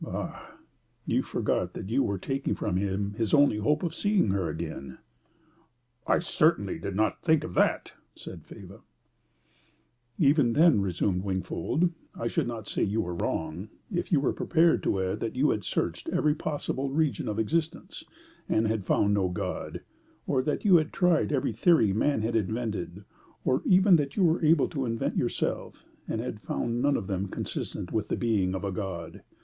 "Ah, you forgot that you were taking from him his only hope of seeing her again!" "I certainly did not think of that," said Faber. "Even then," resumed Wingfold, "I should not say you were wrong, if you were prepared to add that you had searched every possible region of existence, and had found no God; or that you had tried every theory man had invented, or even that you were able to invent yourself, and had found none of them consistent with the being of a God.